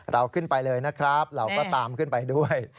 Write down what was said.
เราขึ้นไปเลยนะครับเราก็ตามขึ้นไปด้วย